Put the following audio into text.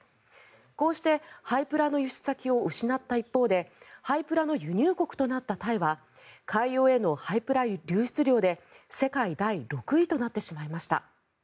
こうして廃プラの輸出先を失った一方で廃プラの輸入国となったタイは海洋への廃プラ流出量で世界第６位となってしまいました。